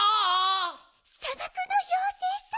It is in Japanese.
さばくのようせいさん。